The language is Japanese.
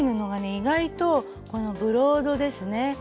意外とこのブロードですね。